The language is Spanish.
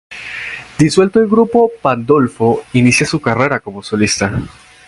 Disuelto el grupo, Pandolfo inicia su carrera como solista.